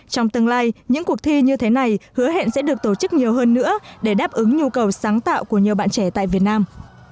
trong tương lai những cuộc thi như thế này hứa hẹn sẽ được tổ chức nhiều hơn nữa để đáp ứng nhu cầu sáng tạo của nhiều bạn trẻ tại việt nam